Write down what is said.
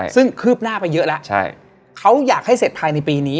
ซึ่งคืบหน้าไปเยอะแล้วเขาอยากให้เสร็จภายในปีนี้